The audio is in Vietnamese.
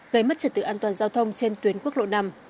gây mất trật tự an toàn giao thông trên tuyến quốc lộ năm